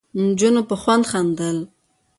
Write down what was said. نجونو په خوند خندل.